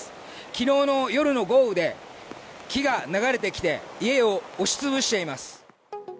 昨日の夜の豪雨で木が流れてきて家を押し潰しています。